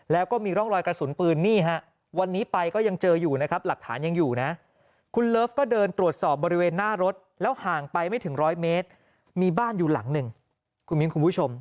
แล้วก็มีร่องรอยกระสุนปืนนี่ฮะวันนี้ไปก็ยังเจออยู่นะครับหลักฐานยังอยู่นะคุณเลิฟก็เดินตรวจสอบบริเวณหน้ารถแล้วห่างไปไม่ถึงร้อยเมตรมีบ้านอยู่หลังหนึ่งคุณมิ้นคุณผู้ชม